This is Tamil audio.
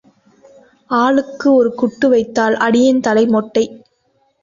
ஆளுக்கு ஒரு குட்டு வைத்தால் அடியேன் தலை மொட்டை.